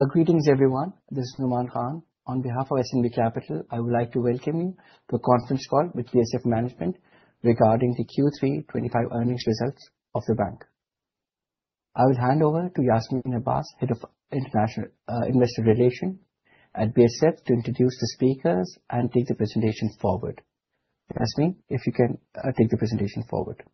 Well, greetings everyone. This is Nauman Khan. On behalf of SMB Capital, I would like to welcome you to a conference call with BSF management regarding the Q3 2025 earnings results of the bank. I will hand over to Yasminah Abbas, Head of International Investor Relations at BSF, to introduce the speakers and take the presentation forward. Yasmeen, if you can take the presentation forward.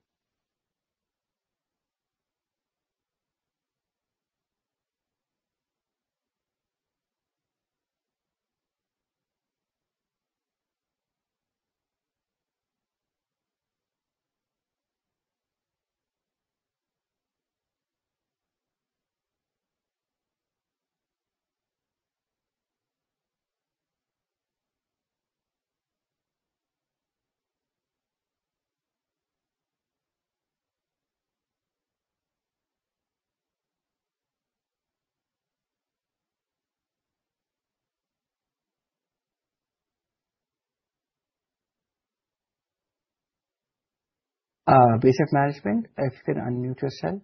BSF management, if you can unmute yourself.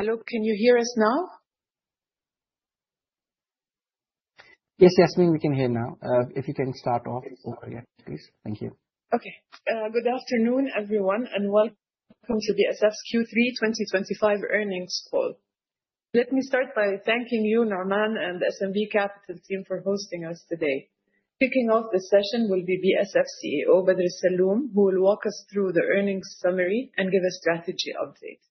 Hello, can you hear us now? Yes, Yasmeen, we can hear now. If you can start off. Yeah, please. Thank you. Okay. Good afternoon, everyone, and welcome to BSF's Q3 2025 earnings call. Let me start by thanking you, Nauman, and the SMB Capital team for hosting us today. Kicking off the session will be BSF CEO, Bader Alsalloom, who will walk us through the earnings summary and give a strategy update.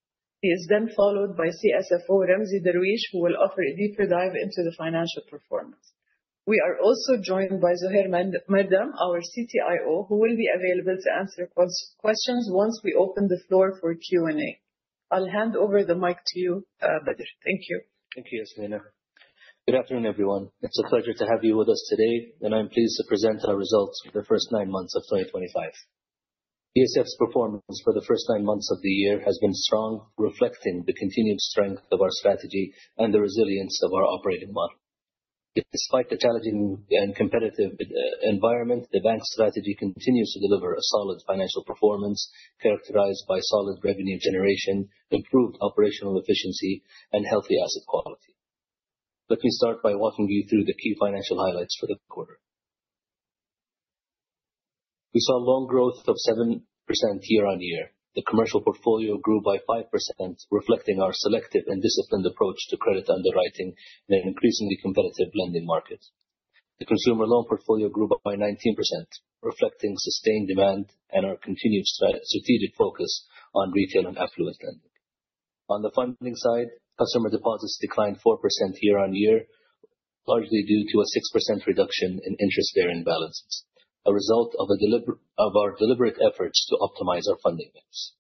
He is then followed by CFO Ramzy Darwish, who will offer a deeper dive into the financial performance. We are also joined by Zuhair Mardam, our CTO, who will be available to answer questions once we open the floor for Q&A. I'll hand over the mic to you, Bader. Thank you. Thank you, Yasmeen. Good afternoon, everyone. It's a pleasure to have you with us today, and I'm pleased to present our results for the first nine months of 2025. BSF's performance for the first nine months of the year has been strong, reflecting the continued strength of our strategy and the resilience of our operating model. Despite the challenging and competitive environment, the bank's strategy continues to deliver a solid financial performance characterized by solid revenue generation, improved operational efficiency, and healthy asset quality. Let me start by walking you through the key financial highlights for the quarter. We saw loan growth of 7% year-on-year. The commercial portfolio grew by 5%, reflecting our selective and disciplined approach to credit underwriting in an increasingly competitive lending market. The consumer loan portfolio grew by 19%, reflecting sustained demand and our continued strategic focus on retail and affluent lending. On the funding side, customer deposits declined 4% year-on-year, largely due to a 6% reduction in interest-bearing balances, a result of our deliberate efforts to optimize our funding mix.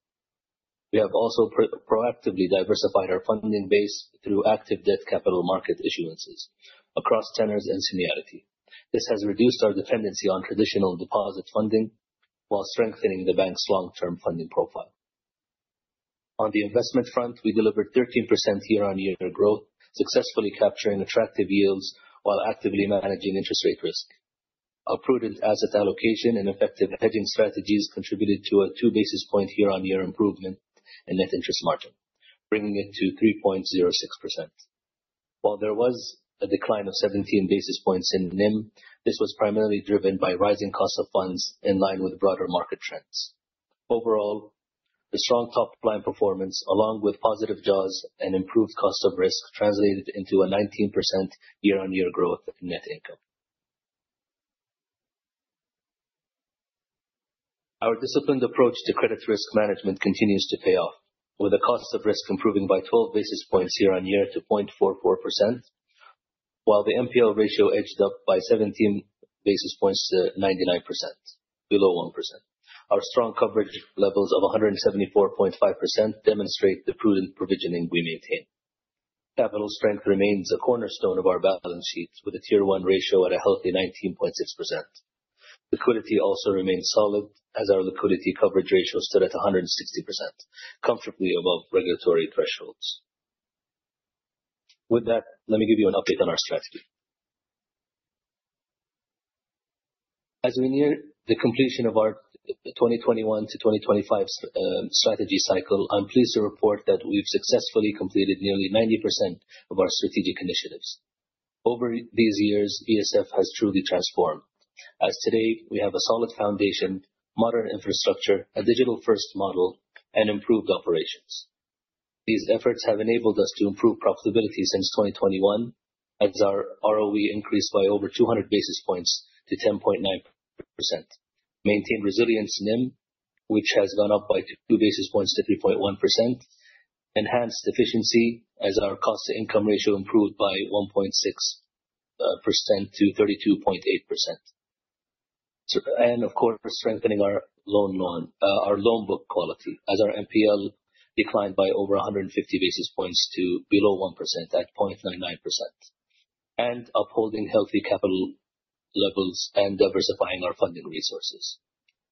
We have also proactively diversified our funding base through active debt capital market issuances across tenors and seniority. This has reduced our dependency on traditional deposit funding while strengthening the bank's long-term funding profile. On the investment front, we delivered 13% year-on-year growth, successfully capturing attractive yields while actively managing interest rate risk. Our prudent asset allocation and effective hedging strategies contributed to a two basis point year-on-year improvement in net interest margin, bringing it to 3.06%. While there was a decline of 17 basis points in NIM, this was primarily driven by rising costs of funds in line with broader market trends. Overall, the strong top-line performance, along with positive jaws and improved cost of risk, translated into a 19% year-on-year growth in net income. Our disciplined approach to credit risk management continues to pay off, with the cost of risk improving by 12 basis points year-on-year to 0.44%, while the NPL ratio edged up by 17 basis points to 99%, below 1%. Our strong coverage levels of 174.5% demonstrate the prudent provisioning we maintain. Capital strength remains a cornerstone of our balance sheets, with a Tier 1 ratio at a healthy 19.6%. Liquidity also remains solid, as our liquidity coverage ratio stood at 160%, comfortably above regulatory thresholds. With that, let me give you an update on our strategy. As we near the completion of our 2021 to 2025 strategy cycle, I'm pleased to report that we've successfully completed nearly 90% of our strategic initiatives. Over these years, BSF has truly transformed. As today, we have a solid foundation, modern infrastructure, a digital first model, and improved operations. These efforts have enabled us to improve profitability since 2021, as our ROE increased by over 200 basis points to 10.9%. Maintained resilience in NIM, which has gone up by two basis points to 3.1%. Enhanced efficiency as our cost to income ratio improved by 1.6% to 32.8%. Of course, strengthening our loan book quality as our NPL declined by over 150 basis points to below 1% at 0.99%. Upholding healthy capital levels and diversifying our funding resources.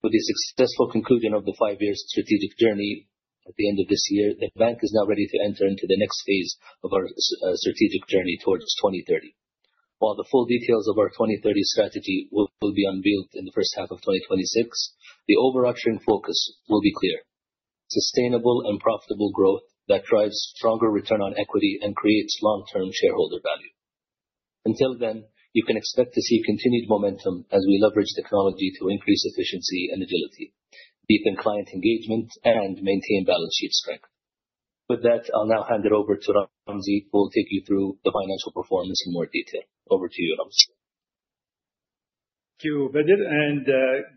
With the successful conclusion of the five-year strategic journey at the end of this year, the bank is now ready to enter into the next phase of our strategic journey towards 2030. While the full details of our 2030 strategy will be unveiled in the first half of 2026, the overarching focus will be clear: sustainable and profitable growth that drives stronger return on equity and creates long-term shareholder value. Until then, you can expect to see continued momentum as we leverage technology to increase efficiency and agility, deepen client engagement, and maintain balance sheet strength. With that, I'll now hand it over to Ramzy, who will take you through the financial performance in more detail. Over to you, Ramzy. Thank you, Wadid, and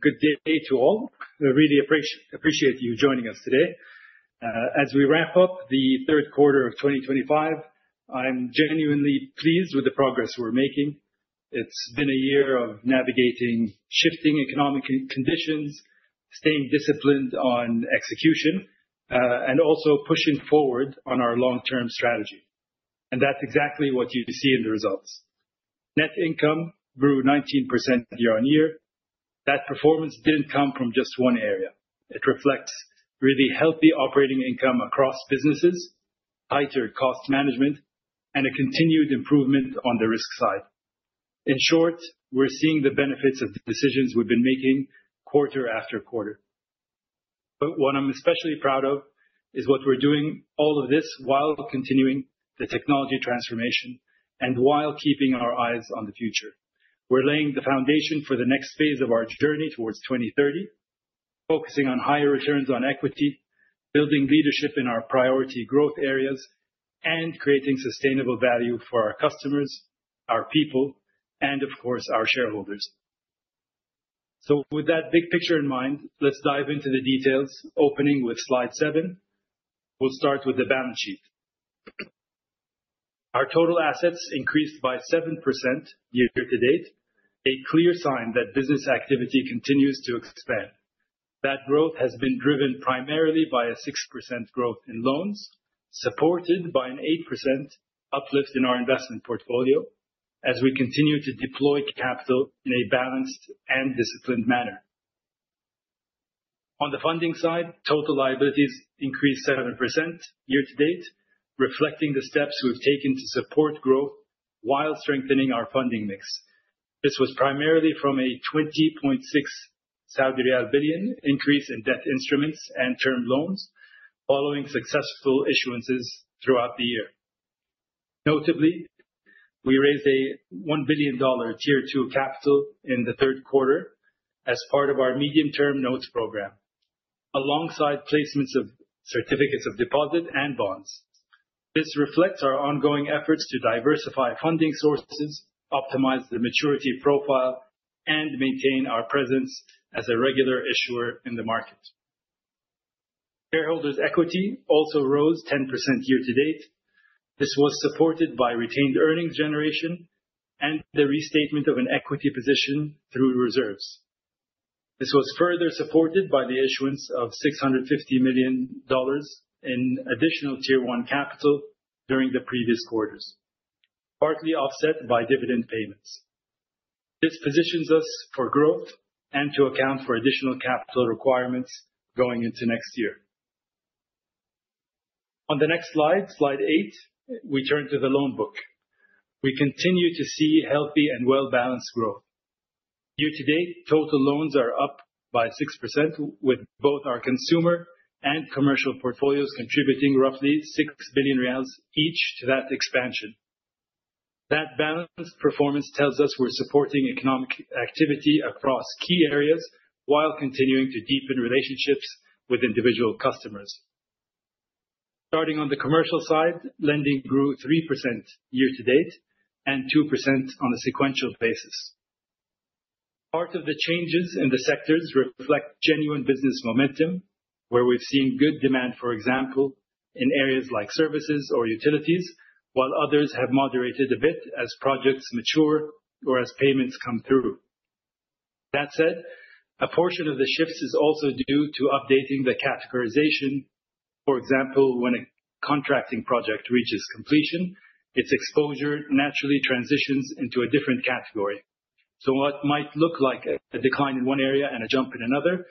good day to all. I really appreciate you joining us today. As we wrap up the third quarter of 2025, I'm genuinely pleased with the progress we're making. It's been a year of navigating shifting economic conditions, staying disciplined on execution, and also pushing forward on our long-term strategy. That's exactly what you see in the results. Net income grew 19% year-over-year. That performance didn't come from just one area. It reflects really healthy operating income across businesses, tighter cost management, and a continued improvement on the risk side. In short, we're seeing the benefits of the decisions we've been making quarter after quarter. What I'm especially proud of is what we're doing all of this while continuing the technology transformation and while keeping our eyes on the future. We're laying the foundation for the next phase of our journey towards 2030, focusing on higher returns on equity, building leadership in our priority growth areas, and creating sustainable value for our customers, our people, and of course, our shareholders. With that big picture in mind, let's dive into the details, opening with slide seven. We'll start with the balance sheet. Our total assets increased by 7% year to date, a clear sign that business activity continues to expand. That growth has been driven primarily by a 6% growth in loans, supported by an 8% uplift in our investment portfolio as we continue to deploy capital in a balanced and disciplined manner. On the funding side, total liabilities increased 7% year to date, reflecting the steps we've taken to support growth while strengthening our funding mix. This was primarily from a 20.6 billion Saudi riyal increase in debt instruments and term loans following successful issuances throughout the year. Notably, we raised a $1 billion Tier 2 capital in the third quarter as part of our medium-term notes program, alongside placements of certificates of deposit and bonds. This reflects our ongoing efforts to diversify funding sources, optimize the maturity profile, and maintain our presence as a regular issuer in the market. Shareholders' equity also rose 10% year to date. This was supported by retained earnings generation and the restatement of an equity position through reserves. This was further supported by the issuance of $650 million in additional Tier 1 capital during the previous quarters, partly offset by dividend payments. This positions us for growth and to account for additional capital requirements going into next year. On the next slide eight, we turn to the loan book. We continue to see healthy and well-balanced growth. Year to date, total loans are up by 6%, with both our consumer and commercial portfolios contributing roughly 6 billion riyals each to that expansion. That balanced performance tells us we're supporting economic activity across key areas while continuing to deepen relationships with individual customers. Starting on the commercial side, lending grew 3% year to date and 2% on a sequential basis. Part of the changes in the sectors reflect genuine business momentum, where we've seen good demand, for example, in areas like services or utilities, while others have moderated a bit as projects mature or as payments come through. That said, a portion of the shifts is also due to updating the categorization. For example, when a contracting project reaches completion, its exposure naturally transitions into a different category. What might look like a decline in one area and a jump in another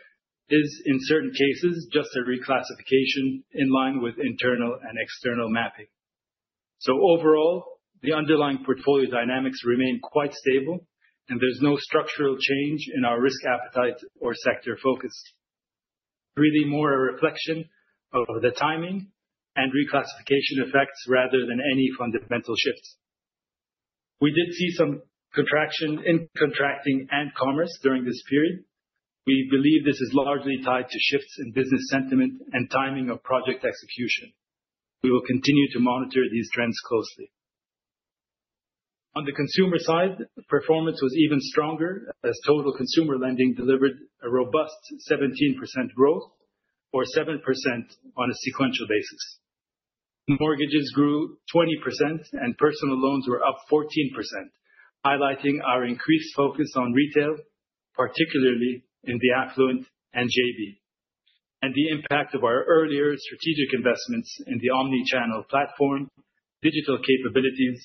is, in certain cases, just a reclassification in line with internal and external mapping. Overall, the underlying portfolio dynamics remain quite stable and there's no structural change in our risk appetite or sector focus. Really more a reflection of the timing and reclassification effects rather than any fundamental shifts. We did see some contraction in contracting and commerce during this period. We believe this is largely tied to shifts in business sentiment and timing of project execution. We will continue to monitor these trends closely. On the consumer side, performance was even stronger as total consumer lending delivered a robust 17% growth or 7% on a sequential basis. Mortgages grew 20% and personal loans were up 14%, highlighting our increased focus on retail, particularly in the affluent and JV. The impact of our earlier strategic investments in the omni-channel platform, digital capabilities,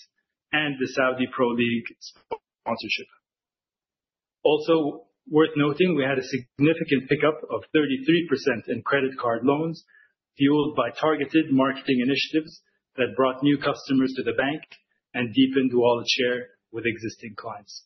and the Saudi Pro League sponsorship. Also worth noting, we had a significant pickup of 33% in credit card loans fueled by targeted marketing initiatives that brought new customers to the bank and deepened wallet share with existing clients.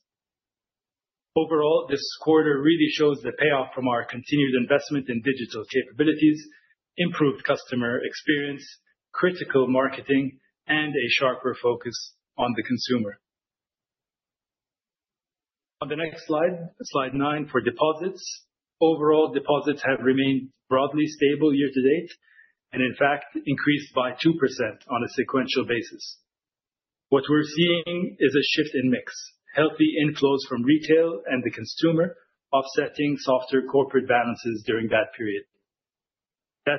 Overall, this quarter really shows the payoff from our continued investment in digital capabilities, improved customer experience, critical marketing, and a sharper focus on the consumer. On the next slide nine for deposits. Overall, deposits have remained broadly stable year to date and in fact increased by 2% on a sequential basis. That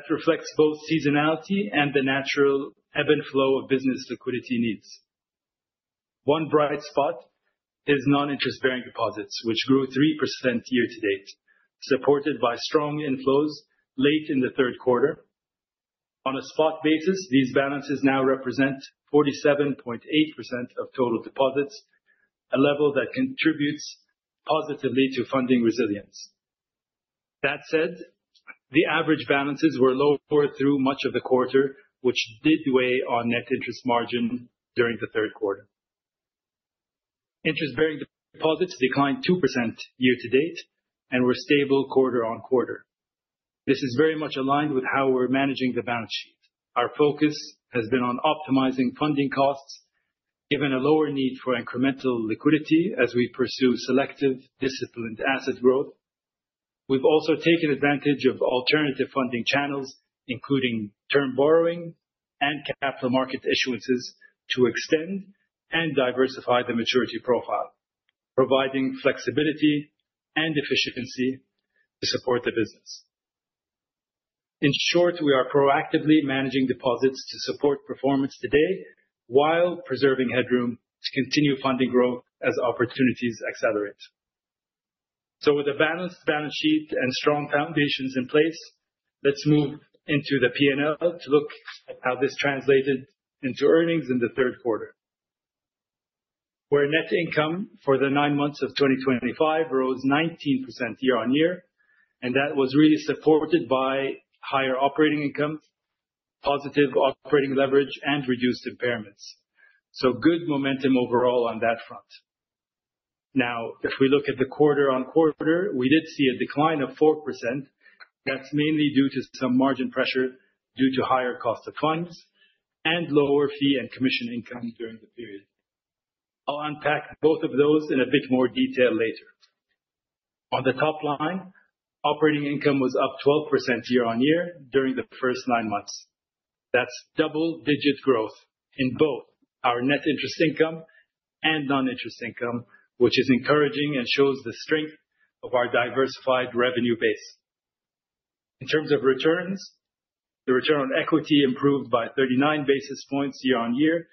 reflects both seasonality and the natural ebb and flow of business liquidity needs. One bright spot is non-interest bearing deposits, which grew 3% year to date, supported by strong inflows late in the third quarter. On a spot basis, these balances now represent 47.8% of total deposits, a level that contributes positively to funding resilience. That said, the average balances were lower through much of the quarter, which did weigh on net interest margin during the third quarter. Interest-bearing deposits declined 2% year to date and were stable quarter-on-quarter. This is very much aligned with how we're managing the balance sheet. Our focus has been on optimizing funding costs, given a lower need for incremental liquidity as we pursue selective, disciplined asset growth. We've also taken advantage of alternative funding channels, including term borrowing and capital market issuances, to extend and diversify the maturity profile, providing flexibility and efficiency to support the business. In short, we are proactively managing deposits to support performance today while preserving headroom to continue funding growth as opportunities accelerate. With a balanced balance sheet and strong foundations in place, let's move into the P&L to look at how this translated into earnings in the third quarter, where net income for the nine months of 2025 rose 19% year-on-year, that was really supported by higher operating income, positive operating leverage, and reduced impairments. Good momentum overall on that front. If we look at the quarter-on-quarter, we did see a decline of 4%. That's mainly due to some margin pressure due to higher cost of funds and lower fee and commission income during the period. I'll unpack both of those in a bit more detail later. On the top line, operating income was up 12% year-on-year during the first nine months. That's double-digit growth in both our net interest income and non-interest income, which is encouraging and shows the strength of our diversified revenue base. In terms of returns, the return on equity improved by 39 basis points year-on-year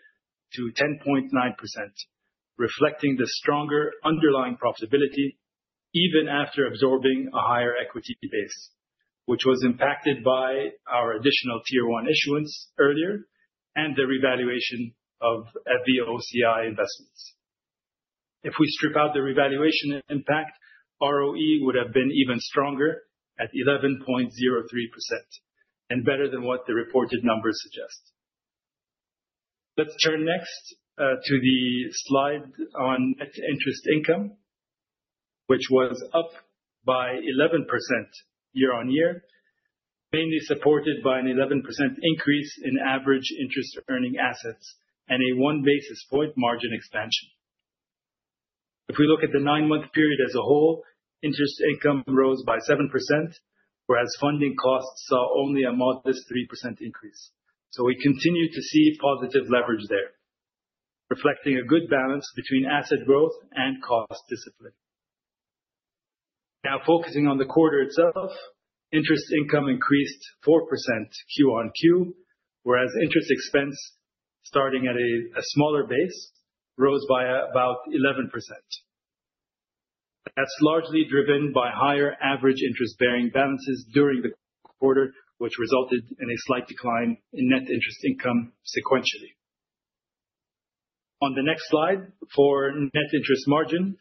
to 10.9%, reflecting the stronger underlying profitability even after absorbing a higher equity base, which was impacted by our additional Tier 1 issuance earlier and the revaluation of FVOCI investments. If we strip out the revaluation impact, ROE would have been even stronger at 11.03% and better than what the reported numbers suggest. Let's turn next to the slide on net interest income, which was up by 11% year-on-year, mainly supported by an 11% increase in average interest earning assets and a one basis point margin expansion. If we look at the nine-month period as a whole, interest income rose by 7%, whereas funding costs saw only a modest 3% increase. We continue to see positive leverage there, reflecting a good balance between asset growth and cost discipline. Focusing on the quarter itself, interest income increased 4% Q-on-Q, whereas interest expense starting at a smaller base rose by about 11%. That's largely driven by higher average interest bearing balances during the quarter, which resulted in a slight decline in net interest income sequentially. On the next slide, for net interest margin,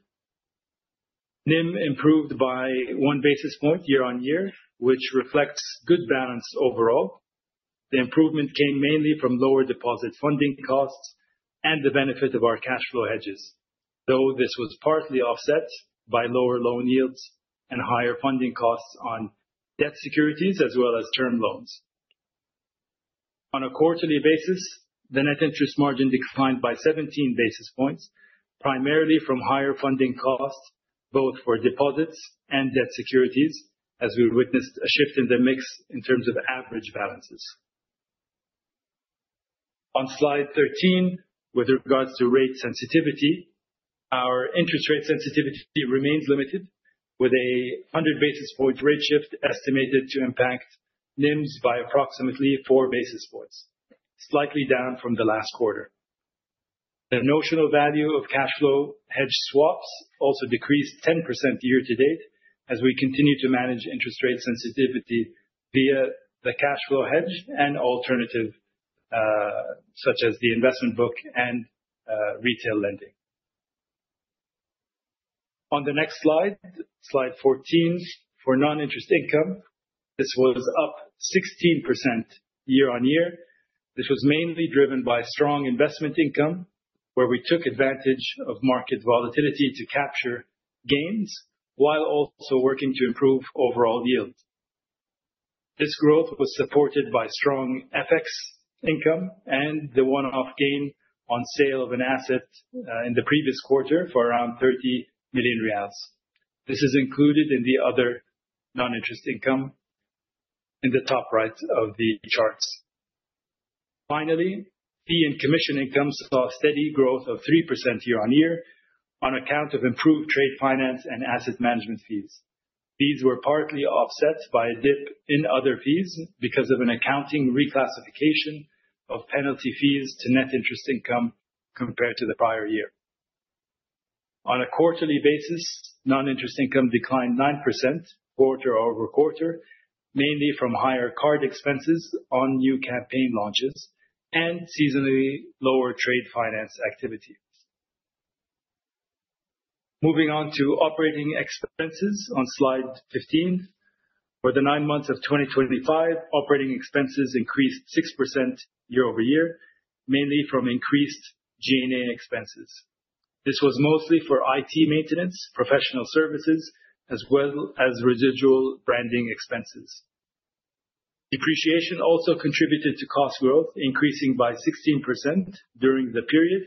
NIM improved by one basis point year-on-year, which reflects good balance overall. The improvement came mainly from lower deposit funding costs and the benefit of our cash flow hedges, though this was partly offset by lower loan yields and higher funding costs on debt securities as well as term loans. On a quarterly basis, the net interest margin declined by 17 basis points, primarily from higher funding costs both for deposits and debt securities as we witnessed a shift in the mix in terms of average balances. On slide 13, with regards to rate sensitivity, our interest rate sensitivity remains limited with a 100 basis point rate shift estimated to impact NIMs by approximately four basis points, slightly down from the last quarter. The notional value of cash flow hedge swaps also decreased 10% year-to-date as we continue to manage interest rate sensitivity via the cash flow hedge and alternative, such as the investment book and retail lending. On the next slide 14, for non-interest income, this was up 16% year-on-year. This was mainly driven by strong investment income, where we took advantage of market volatility to capture gains while also working to improve overall yield. This growth was supported by strong FX income and the one-off gain on sale of an asset in the previous quarter for around 30 million riyals. This is included in the other non-interest income in the top right of the charts. Finally, fee and commission incomes saw steady growth of 3% year-on-year on account of improved trade finance and asset management fees. These were partly offset by a dip in other fees because of an accounting reclassification of penalty fees to net interest income compared to the prior year. On a quarterly basis, non-interest income declined 9% quarter-over-quarter, mainly from higher card expenses on new campaign launches and seasonally lower trade finance activities. Moving on to operating expenses on slide 15. For the nine months of 2025, operating expenses increased 6% year-over-year, mainly from increased G&A expenses. This was mostly for IT maintenance, professional services, as well as residual branding expenses. Depreciation also contributed to cost growth, increasing by 16% during the period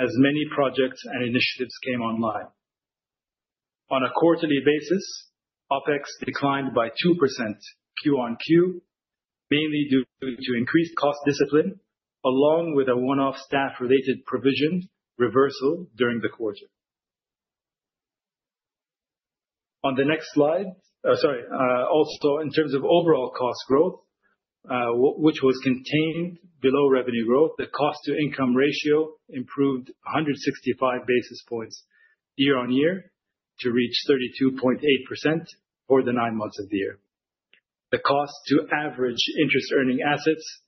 as many projects and initiatives came online. On a quarterly basis, OpEx declined by 2% Q on Q, mainly due to increased cost discipline along with a one-off staff-related provision reversal during the quarter. On the next slide. Sorry. Also, in terms of overall cost growth, which was contained below revenue growth, the cost-to-income ratio improved 165 basis points year-on-year to reach 32.8% for the nine months of the year. The cost to average interest earning assets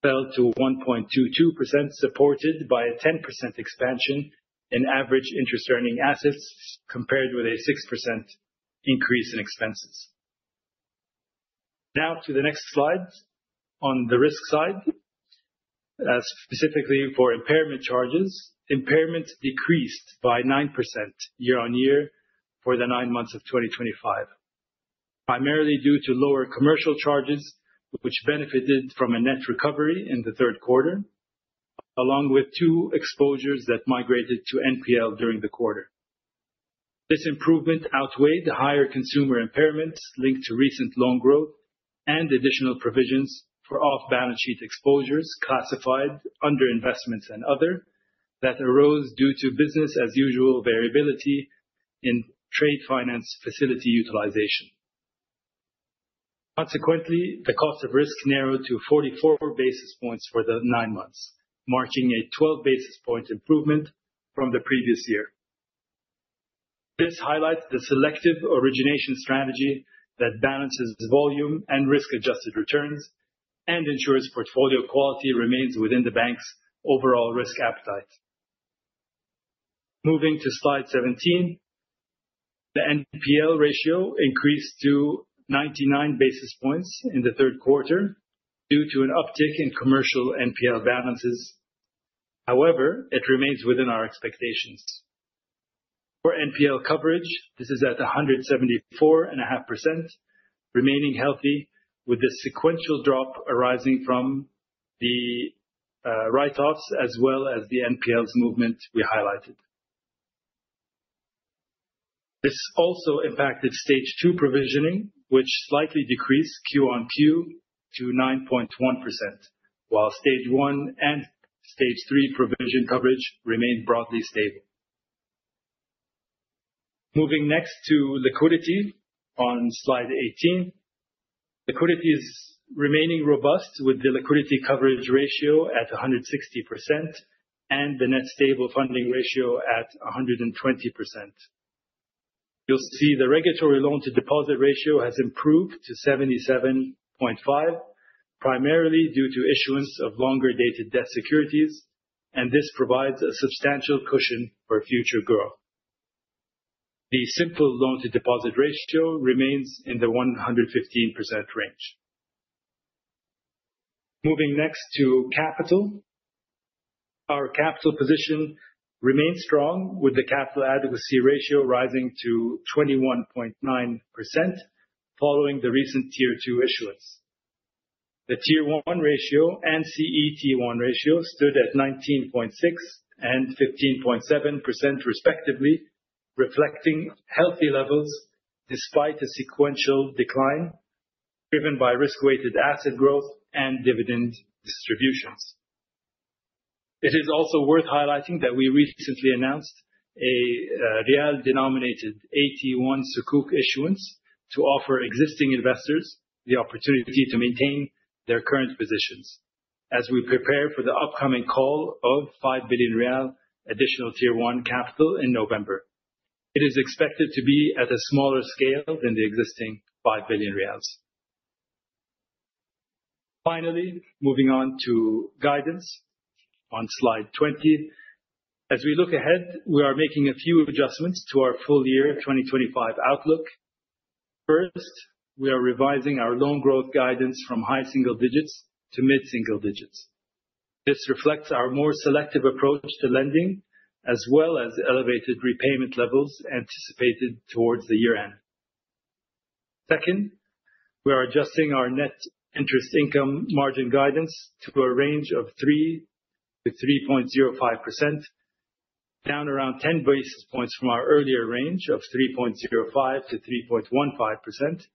fell to 1.22%, supported by a 10% expansion in average interest earning assets compared with a 6% increase in expenses. Now to the next slide. On the risk side, specifically for impairment charges, impairments decreased by 9% year-on-year for the nine months of 2025, primarily due to lower commercial charges, which benefited from a net recovery in the third quarter, along with two exposures that migrated to NPL during the quarter. This improvement outweighed higher consumer impairments linked to recent loan growth and additional provisions for off-balance sheet exposures classified under investments and other, that arose due to business-as-usual variability in trade finance facility utilization. Consequently, the cost of risk narrowed to 44 basis points for the nine months, marking a 12 basis point improvement from the previous year. This highlights the selective origination strategy that balances volume and risk-adjusted returns and ensures portfolio quality remains within the bank's overall risk appetite. Moving to slide 17. The NPL ratio increased to 99 basis points in the third quarter due to an uptick in commercial NPL balances. However, it remains within our expectations. For NPL coverage, this is at 174.5%, remaining healthy with the sequential drop arising from the write-offs as well as the NPLs movement we highlighted. This also impacted stage 2 provisioning, which slightly decreased Q on Q to 9.1%, while stage 1 and stage 3 provision coverage remained broadly stable. Moving next to liquidity on slide 18. Liquidity is remaining robust with the liquidity coverage ratio at 160% and the net stable funding ratio at 120%. You will see the regulatory loan to deposit ratio has improved to 77.5%, primarily due to issuance of longer dated debt securities, and this provides a substantial cushion for future growth. The simple loan to deposit ratio remains in the 115% range. Moving next to capital. Our capital position remains strong, with the capital adequacy ratio rising to 21.9% following the recent Tier 2 issuance. The Tier 1 ratio and CET1 ratio stood at 19.6% and 15.7%, respectively, reflecting healthy levels despite a sequential decline driven by risk-weighted asset growth and dividend distributions. It is also worth highlighting that we recently announced a SAR-denominated AT1 Sukuk issuance to offer existing investors the opportunity to maintain their current positions as we prepare for the upcoming call of 5 billion riyal additional Tier 1 capital in November. It is expected to be at a smaller scale than the existing 5 billion riyals. Finally, moving on to guidance on slide 20. As we look ahead, we are making a few adjustments to our full year 2025 outlook. First, we are revising our loan growth guidance from high single digits to mid single digits. This reflects our more selective approach to lending, as well as the elevated repayment levels anticipated towards the year-end. Second, we are adjusting our net interest income margin guidance to a range of 3%-3.05%, down around 10 basis points from our earlier range of 3.05%-3.15%.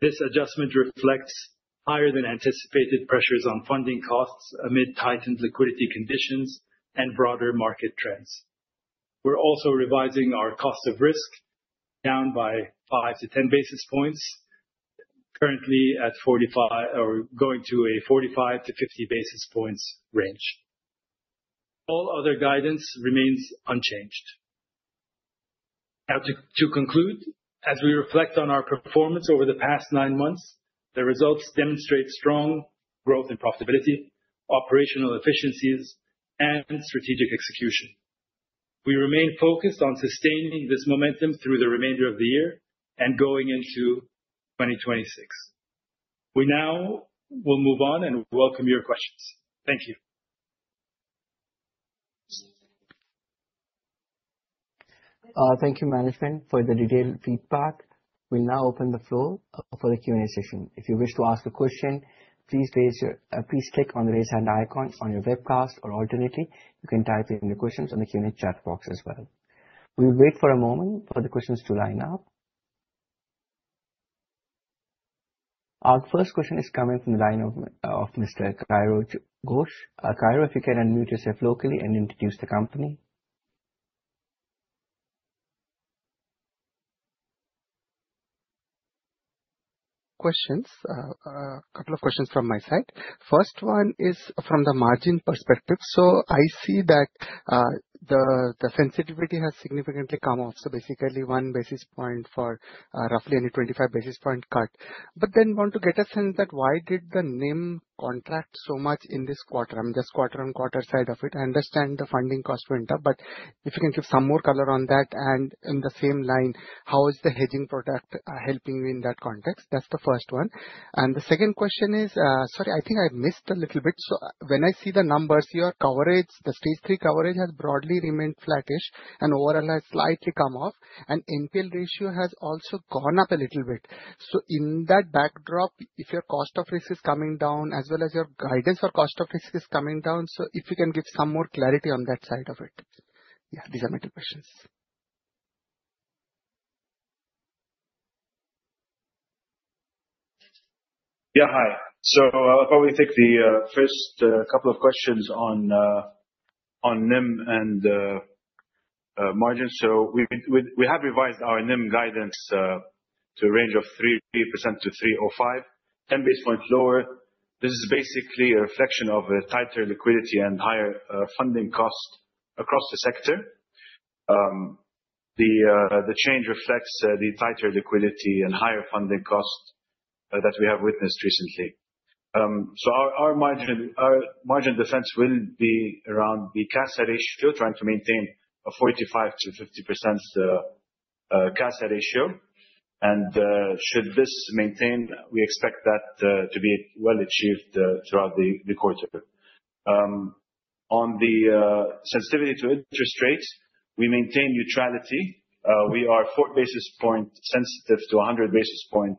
This adjustment reflects higher than anticipated pressures on funding costs amid tightened liquidity conditions and broader market trends. We are also revising our cost of risk down by 5-10 basis points, currently at 45 or going to a 45-50 basis points range. All other guidance remains unchanged. To conclude, as we reflect on our performance over the past nine months, the results demonstrate strong growth and profitability, operational efficiencies, and strategic execution. We remain focused on sustaining this momentum through the remainder of the year and going into 2026. We now will move on and welcome your questions. Thank you. Thank you, management, for the detailed feedback. We now open the floor for the Q&A session. If you wish to ask a question, please click on the Raise Hand icon on your webcast or alternatively, you can type in your questions on the Q&A chat box as well. We will wait for a moment for the questions to line up. Our first question is coming from the line of Mr. Chiradeep Ghosh. Chiradeep, if you can unmute yourself locally and introduce the company. Questions. A couple of questions from my side. First one is from the margin perspective. I see that the sensitivity has significantly come off, basically one basis point for roughly a 25 basis point cut. I want to get a sense that why did the NIM contract so much in this quarter, the quarter side of it. I understand the funding cost went up, but if you can give some more color on that and in the same line, how is the hedging product helping you in that context? That's the first one. The second question is Sorry, I think I've missed a little bit. When I see the numbers, your coverage, the stage 3 coverage has broadly remained flattish and overall has slightly come off, and NPL ratio has also gone up a little bit. In that backdrop, if your cost of risk is coming down as well as your guidance for cost of risk is coming down, if you can give some more clarity on that side of it. Yeah, these are my two questions. Yeah, hi. I'll probably take the first couple of questions on NIM and margin. We have revised our NIM guidance to a range of 3%-3.05%, 10 basis points lower. This is basically a reflection of tighter liquidity and higher funding cost across the sector. The change reflects the tighter liquidity and higher funding cost that we have witnessed recently. Our margin defense will be around the CASA ratio, trying to maintain a 45%-50% CASA ratio. Should this maintain, we expect that to be well achieved throughout the quarter. On the sensitivity to interest rates, we maintain neutrality. We are four basis points sensitive to 100 basis point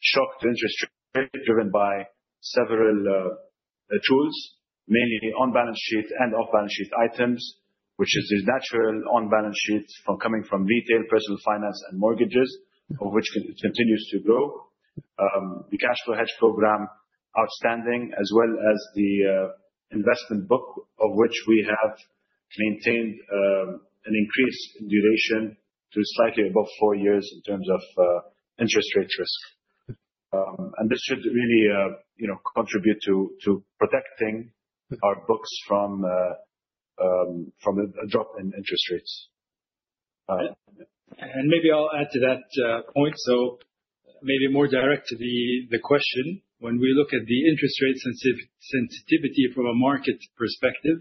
shock to interest rate, driven by several tools, mainly on balance sheet and off balance sheet items, which is this natural on balance sheet coming from retail, personal finance, and mortgages, of which it continues to grow. The cash flow hedge program outstanding, as well as the investment book, of which we have maintained an increase in duration to slightly above four years in terms of interest rate risk. This should really contribute to protecting our books from a drop in interest rates. Maybe I'll add to that point. Maybe more direct to the question. When we look at the interest rate sensitivity from a market perspective,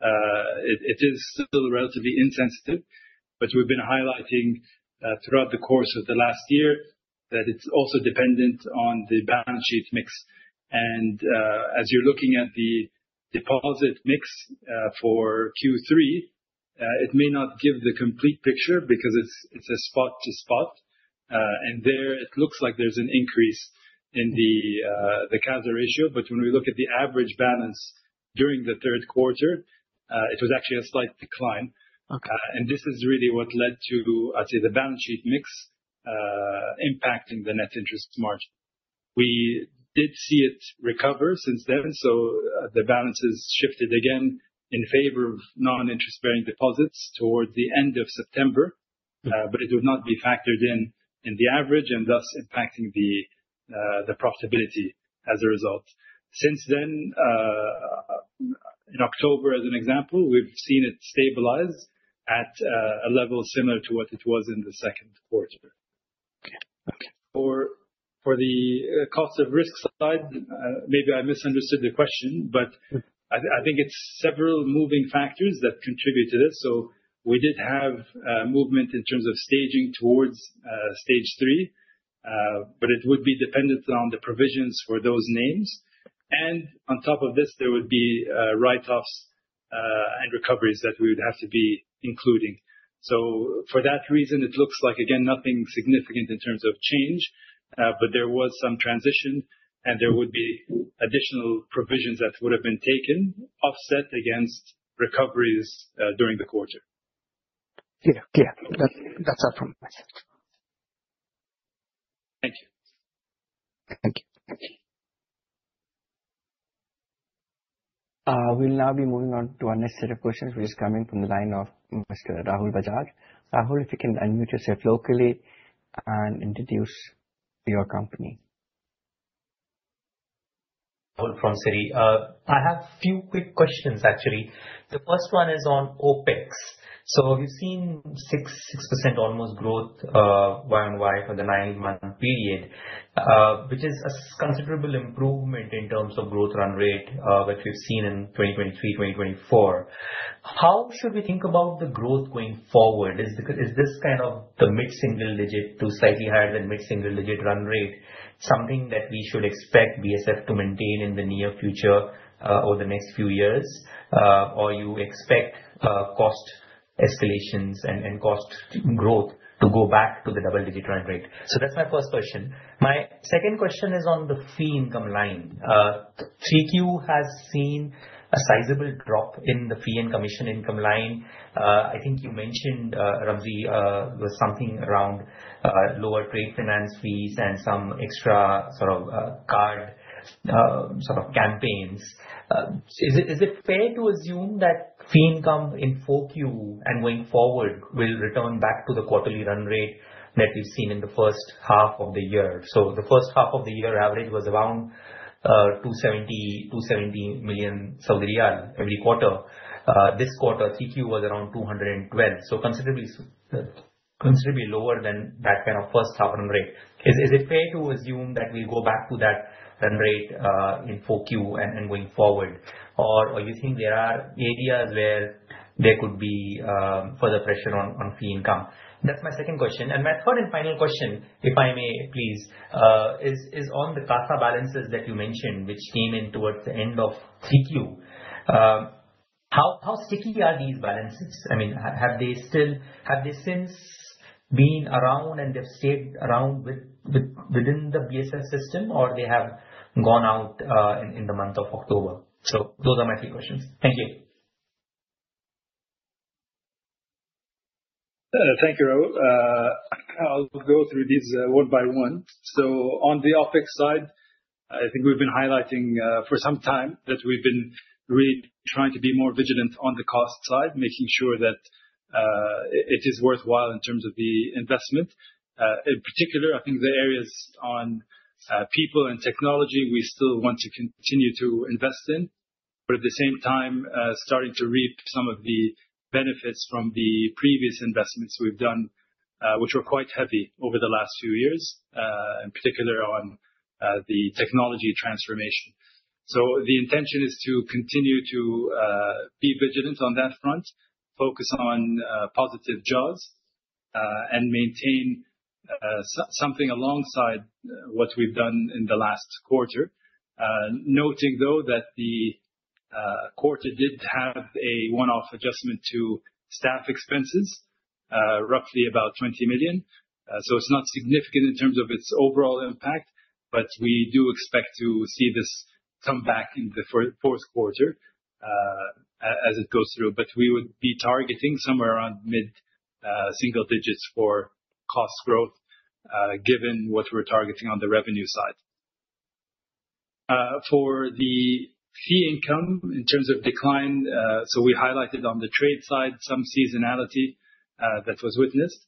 it is still relatively insensitive, we've been highlighting throughout the course of the last year that it's also dependent on the balance sheet mix. As you're looking at the deposit mix for Q3, it may not give the complete picture because it's a spot to spot. There it looks like there's an increase in the CASA ratio. When we look at the average balance during the third quarter, it was actually a slight decline. Okay. This is really what led to, I'd say, the balance sheet mix impacting the net interest margin. We did see it recover since then, so the balance has shifted again in favor of non-interest-bearing deposits toward the end of September. It would not be factored in the average, and thus impacting the profitability as a result. Since then, in October, as an example, we've seen it stabilize at a level similar to what it was in the second quarter. Okay. For the cost of risk side, maybe I misunderstood the question, but I think it's several moving factors that contribute to this. We did have movement in terms of staging towards stage 3, but it would be dependent on the provisions for those names. On top of this, there would be write-offs and recoveries that we would have to be including. For that reason, it looks like, again, nothing significant in terms of change. There was some transition and there would be additional provisions that would've been taken, offset against recoveries, during the quarter. Clear. That's all from my side. Thank you. Thank you. We'll now be moving on to our next set of questions, which is coming from the line of Mr. Rahul Bajaj. Rahul, if you can unmute yourself locally and introduce your company. Rahul from Citi. I have few quick questions, actually. The first one is on OpEx. We've seen 6% almost growth, year-over-year for the nine-month period, which is a considerable improvement in terms of growth run rate, which we've seen in 2023, 2024. How should we think about the growth going forward? Is this the mid-single digit to slightly higher than mid-single digit run rate something that we should expect BSF to maintain in the near future, or the next few years? Or you expect cost escalations and cost growth to go back to the double-digit run rate? That's my first question. My second question is on the fee income line. 3Q has seen a sizable drop in the fee and commission income line. I think you mentioned, Ramzy, it was something around lower trade finance fees and some extra card campaigns. Is it fair to assume that fee income in 4Q and going forward, will return back to the quarterly run rate that we've seen in the first half of the year? The first half of the year average was around 270 million Saudi riyal every quarter. This quarter, 3Q was around 212. Considerably lower than that first half run rate. Is it fair to assume that we go back to that run rate, in 4Q and going forward? Or you think there are areas where there could be further pressure on fee income? That's my second question, and my third and final question, if I may please, is on the CASA balances that you mentioned, which came in towards the end of 3Q. How sticky are these balances? Have they since been around, and they've stayed around within the BSF system? They have gone out in the month of October? Those are my three questions. Thank you. Thank you, Rahul. I'll go through these one by one. On the OpEx side, I think we've been highlighting for some time that we've been really trying to be more vigilant on the cost side, making sure that it is worthwhile in terms of the investment. In particular, I think the areas on people and technology, we still want to continue to invest in. At the same time, starting to reap some of the benefits from the previous investments we've done, which were quite heavy over the last few years, in particular on the technology transformation. The intention is to continue to be vigilant on that front, focus on positive jaws, and maintain something alongside what we've done in the last quarter. Noting though, that the quarter did have a one-off adjustment to staff expenses, roughly about 20 million. It's not significant in terms of its overall impact, but we do expect to see this come back in the fourth quarter, as it goes through. We would be targeting somewhere around mid-single digits for cost growth, given what we're targeting on the revenue side. For the fee income in terms of decline, we highlighted on the trade side some seasonality that was witnessed.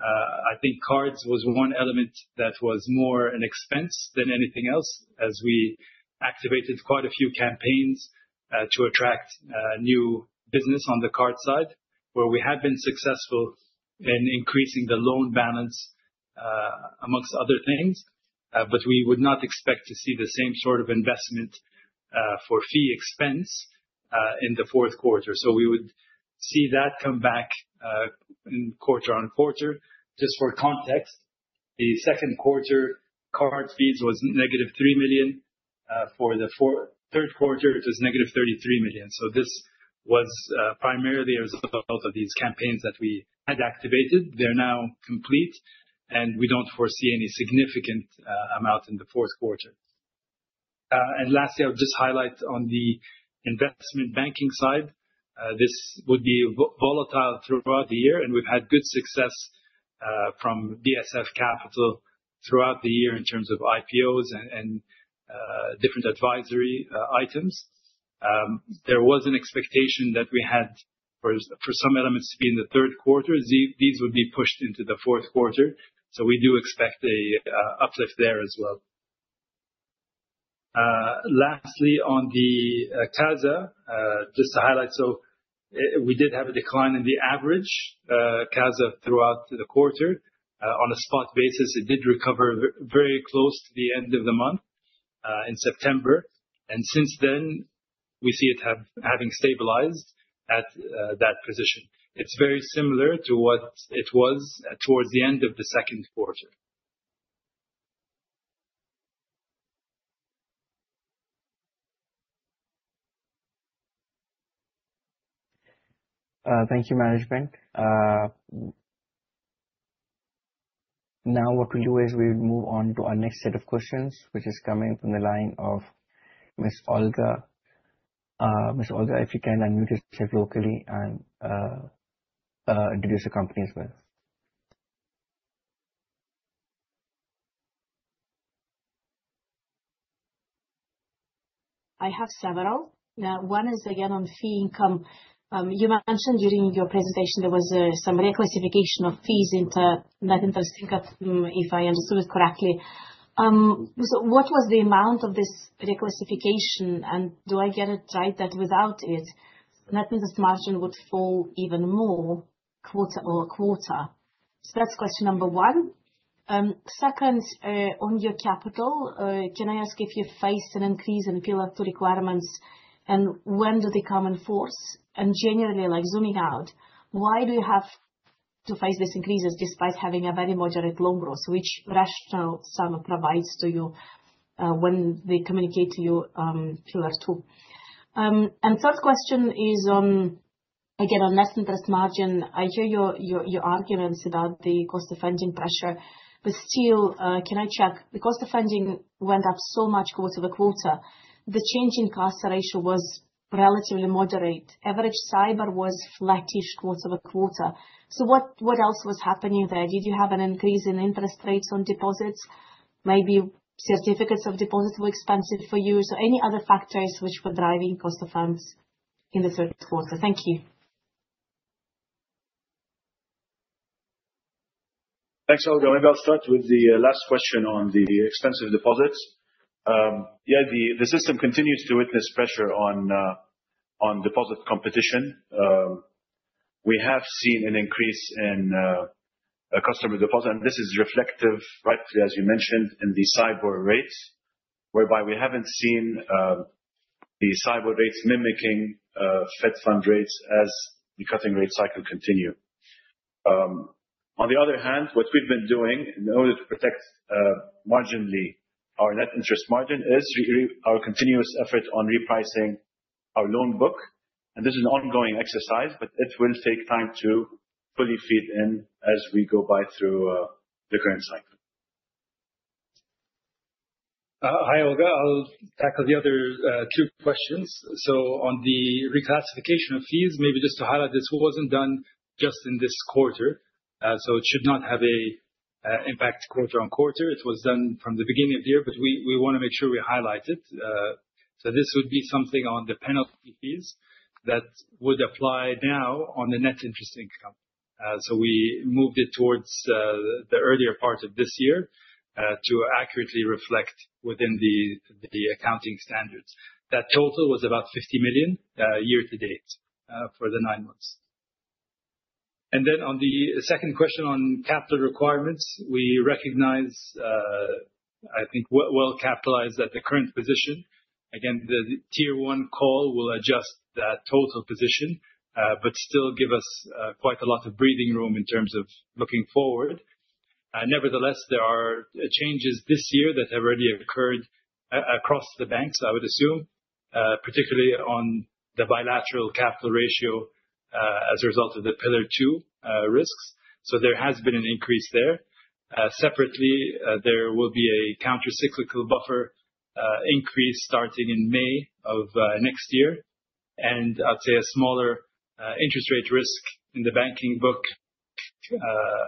I think cards was one element that was more an expense than anything else, as we activated quite a few campaigns to attract new business on the card side, where we have been successful in increasing the loan balance amongst other things. We would not expect to see the same sort of investment for fee expense in the fourth quarter. We would see that come back quarter on quarter. Just for context, the second quarter card fees was negative 3 million. For the third quarter, it was negative 33 million. This was primarily a result of these campaigns that we had activated. They're now complete, and we don't foresee any significant amount in the fourth quarter. Lastly, I would just highlight on the investment banking side, this would be volatile throughout the year, and we've had good success from BSF Capital Throughout the year in terms of IPOs and different advisory items. There was an expectation that we had for some elements to be in the third quarter. These would be pushed into the fourth quarter. We do expect an uplift there as well. Lastly, on the CASA, just to highlight, we did have a decline in the average CASA throughout the quarter. On a spot basis, it did recover very close to the end of the month in September. Since then, we see it having stabilized at that position. It is very similar to what it was towards the end of the second quarter. Thank you, management. What we will do is we will move on to our next set of questions, which is coming from the line of Ms. Olga. Ms. Olga, if you can unmute yourself locally and introduce the company as well. I have several. One is again on fee income. You mentioned during your presentation there was some reclassification of fees into net interest income, if I understood it correctly. What was the amount of this reclassification, and do I get it right that without it, net interest margin would fall even more quarter-over-quarter? That is question number one. Second, on your capital, can I ask if you faced an increase in Pillar 2 requirements, and when do they come in force? Generally, zooming out, why do you have to face these increases despite having a very moderate loan growth? Which rationale SAMA provides to you when they communicate to you Pillar 2? Third question is on, again, on net interest margin. I hear your arguments about the cost of funding pressure. Still, can I check? The cost of funding went up so much quarter-over-quarter. The change in cost ratio was relatively moderate. Average SIBOR was flattish quarter-over-quarter. What else was happening there? Did you have an increase in interest rates on deposits? Maybe certificates of deposit were expensive for you? Any other factors which were driving cost of funds in the third quarter. Thank you. Thanks, Olga. Maybe I'll start with the last question on the expensive deposits. The system continues to witness pressure on deposit competition. We have seen an increase in customer deposit, and this is reflective, rightly as you mentioned, in the SIBOR rates, whereby we haven't seen the SIBOR rates mimicking Fed funds rates as the cutting rate cycle continue. On the other hand, what we've been doing in order to protect marginally our net interest margin is our continuous effort on repricing our loan book, and this is an ongoing exercise, but it will take time to fully feed in as we go by through the current cycle. Hi, Olga. I'll tackle the other two questions. On the reclassification of fees, maybe just to highlight, this wasn't done just in this quarter, so it should not have an impact quarter-on-quarter. It was done from the beginning of the year. We want to make sure we highlight it. This would be something on the penalty fees that would apply now on the net interest income. We moved it towards the earlier part of this year, to accurately reflect within the accounting standards. That total was about 50 million year to date for the nine months. On the second question on capital requirements, we recognize, I think we're well capitalized at the current position. Again, the Tier 1 call will adjust that total position, but still give us quite a lot of breathing room in terms of looking forward. Nevertheless, there are changes this year that have already occurred across the banks, I would assume, particularly on the bilateral capital ratio as a result of the Pillar 2 risks. There has been an increase there. Separately, there will be a countercyclical buffer increase starting in May of next year, and I'd say a smaller, interest rate risk in the banking book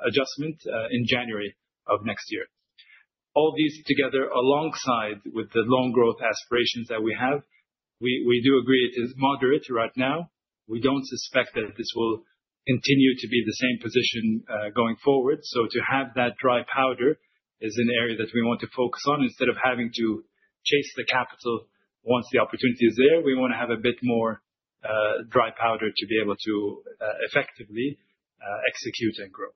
adjustment, in January of next year. All these together, alongside with the loan growth aspirations that we have, we do agree it is moderate right now. We don't suspect that this will continue to be the same position going forward. To have that dry powder is an area that we want to focus on instead of having to chase the capital once the opportunity is there. We want to have a bit more dry powder to be able to effectively execute and grow.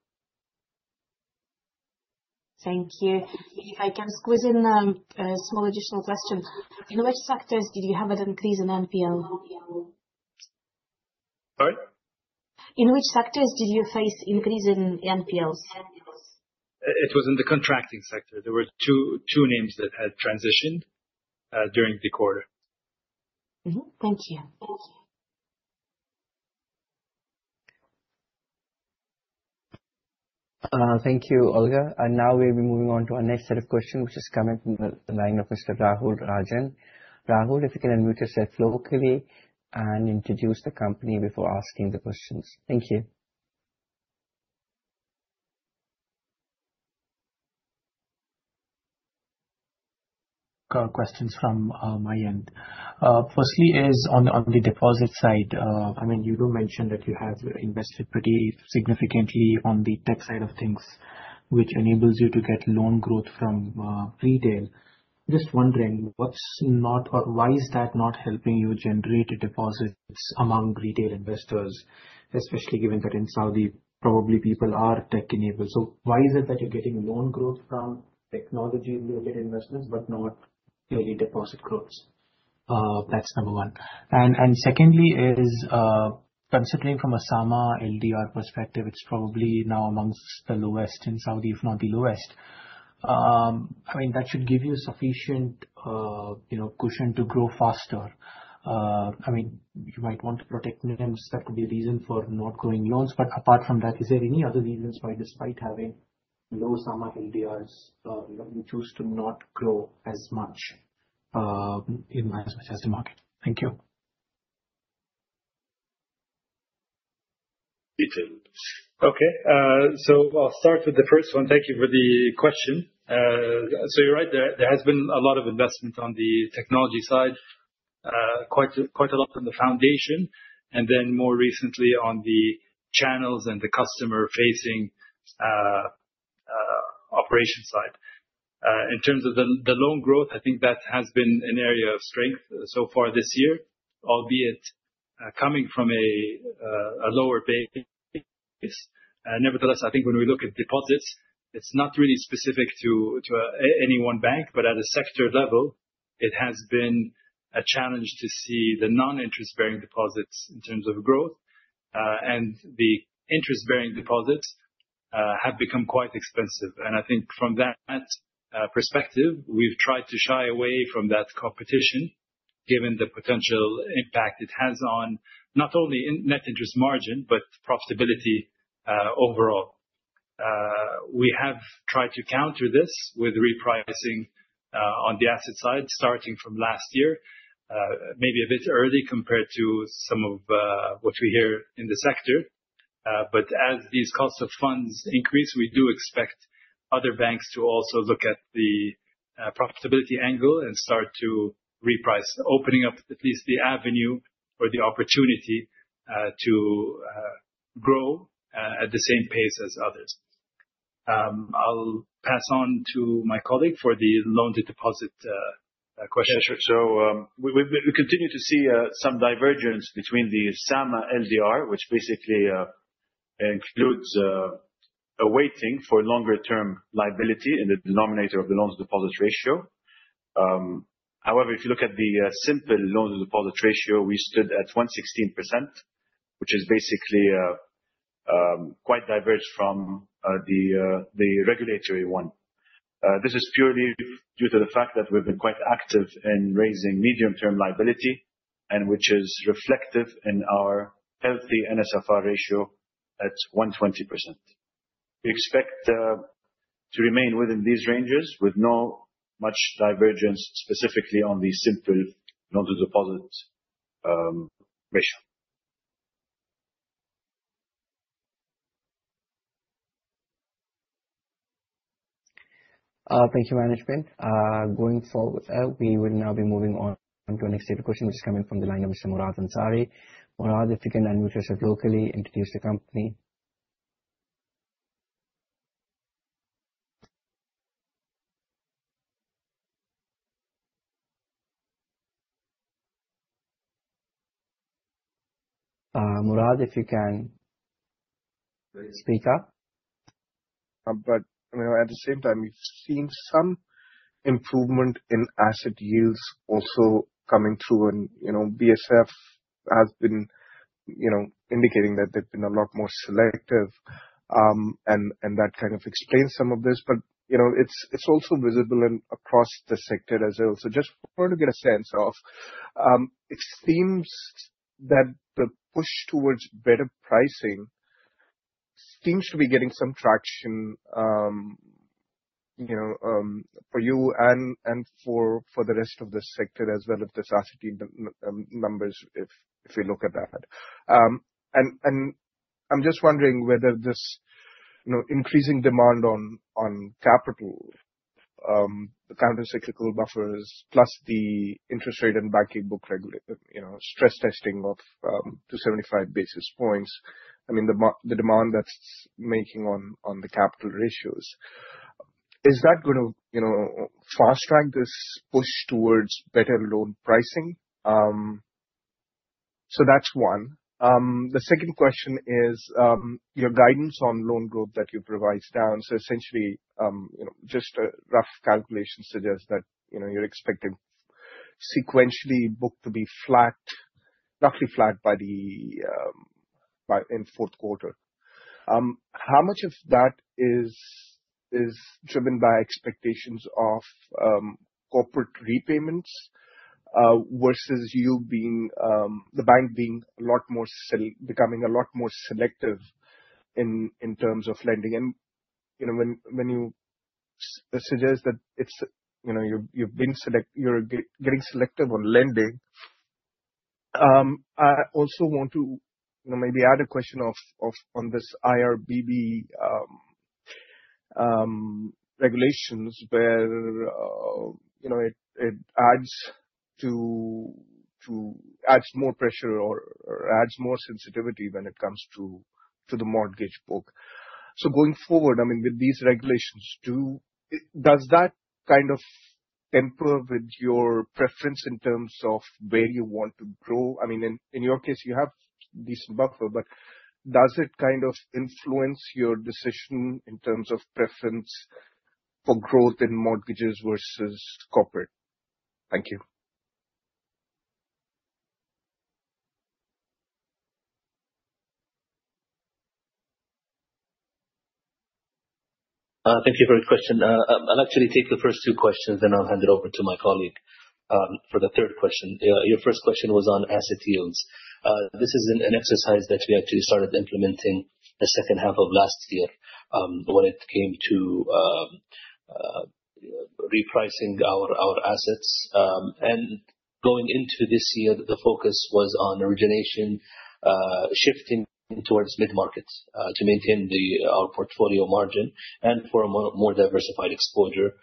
Thank you. If I can squeeze in a small additional question. In which sectors did you have an increase in NPL? Pardon? In which sectors did you face increase in NPLs? It was in the contracting sector. There were two names that had transitioned during the quarter. Thank you. Thank you, Olga. We'll be moving on to our next set of questions, which is coming from the line of Mr. Rahul Rajan. Rahul, if you can unmute yourself locally and introduce the company before asking the questions. Thank you. Questions from my end. Firstly, on the deposit side. You do mention that you have invested pretty significantly on the tech side of things, which enables you to get loan growth from retail. Just wondering what's not, or why is that not helping you generate deposits among retail investors? Especially given that in Saudi, probably people are tech-enabled. Why is it that you're getting loan growth from technology related investments but not your deposit growths? That's number 1. Secondly, considering from a SAMA LDR perspective, it's probably now amongst the lowest in Saudi, if not the lowest. That should give you sufficient cushion to grow faster. You might want to protect margins, that could be a reason for not growing loans. Apart from that, is there any other reasons why despite having low SAMA LDRs, you choose to not grow as much, even as much as the market? Thank you. Okay. I'll start with the first one. Thank you for the question. You're right, there has been a lot of investment on the technology side. Quite a lot on the foundation, and then more recently on the channels and the customer-facing operation side. In terms of the loan growth, I think that has been an area of strength so far this year, albeit coming from a lower base. Nevertheless, I think when we look at deposits, it's not really specific to any one bank, but at a sector level, it has been a challenge to see the non-interest bearing deposits in terms of growth. The interest bearing deposits have become quite expensive. I think from that perspective, we've tried to shy away from that competition given the potential impact it has on not only net interest margin, but profitability overall. We have tried to counter this with repricing on the asset side, starting from last year. Maybe a bit early compared to some of what we hear in the sector. As these cost of funds increase, we do expect other banks to also look at the profitability angle and start to reprice. Opening up at least the avenue or the opportunity to grow at the same pace as others. I'll pass on to my colleague for the loan to deposit question. Yeah, sure. We continue to see some divergence between the SAMA LDR, which basically includes a waiting for longer term liability in the denominator of the loans to deposit ratio. If you look at the simple loans to deposit ratio, we stood at 116%, which is basically quite diverse from the regulatory one. We have been quite active in raising medium-term liability, and which is reflective in our healthy NSFR ratio at 120%. We expect to remain within these ranges with not much divergence specifically on the simple loans to deposit ratio. Thank you, management. We will now be moving on to our next set of questions, which is coming from the line of Mr. Murad Ansari. Murad, if you can unmute yourself locally, introduce the company. Murad, if you can speak up. At the same time, we've seen some improvement in asset yields also coming through, and BSF has been indicating that they've been a lot more selective, and that kind of explains some of this. But it's also visible across the sector as well. Just wanted to get a sense of, it seems that the push towards better pricing seems to be getting some traction for you and for the rest of the sector as well, if these asset numbers, if we look at that. And I'm just wondering whether this increasing demand on capital, the countercyclical buffers plus the interest rate and banking book stress testing of 275 basis points, the demand that's making on the capital ratios. Is that going to fast-track this push towards better loan pricing? That's one. The second question is, your guidance on loan growth that you provide is down. Essentially, just a rough calculation suggests that you're expecting sequentially book to be roughly flat in the fourth quarter. How much of that is driven by expectations of corporate repayments, versus the bank becoming a lot more selective in terms of lending? And when you suggest that you're getting selective on lending I also want to maybe add a question on this IRRBB regulations where it adds more pressure or adds more sensitivity when it comes to the mortgage book. Going forward, with these regulations, does that temper with your preference in terms of where you want to grow? In your case, you have decent buffer, but does it influence your decision in terms of preference for growth in mortgages versus corporate? Thank you. Thank you for your question. I'll actually take the first two questions, then I'll hand it over to my colleague for the third question. Your first question was on asset yields. This is an exercise that we actually started implementing the second half of last year, when it came to repricing our assets. Going into this year, the focus was on origination, shifting towards mid-markets to maintain our portfolio margin and for a more diversified exposure,